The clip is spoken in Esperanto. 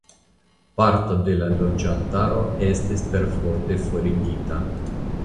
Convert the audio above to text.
Parto de la loĝantaro estis perforte forigita.